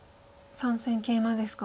３線ケイマですか？